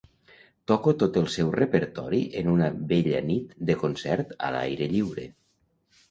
Toco tot el seu repertori en una bella nit de concert a l'aire lliure.